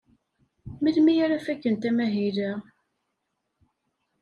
Melmi ara fakent amahil-a?